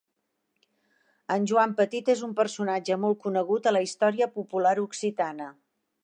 En Joan Petit és un personatge molt conegut a la història popular occitana.